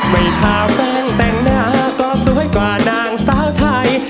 ไม่ทาแป้งแต่งหน้าก็สวยกว่านางสาวไทย